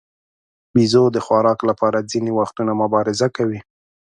بیزو د خوراک لپاره ځینې وختونه مبارزه کوي.